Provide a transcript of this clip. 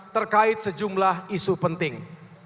terkait sejumlah isu penting